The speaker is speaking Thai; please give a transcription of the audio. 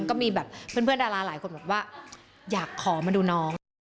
ก็มีแบบเพื่อนดาราหลายคนบอกว่าอยากขอมาดูน้อง